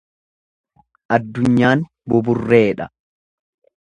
Addunyaan buburreedha.